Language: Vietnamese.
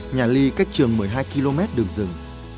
nhà ly cách trường một mươi hai km đường rừng